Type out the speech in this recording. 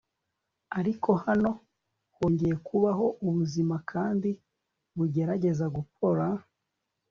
ariko hano hongeye kubaho ubuzima, kandi bugerageza gukora